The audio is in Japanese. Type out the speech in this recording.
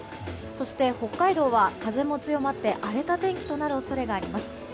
そして、北海道は風も強まって荒れた天気となる恐れがあります。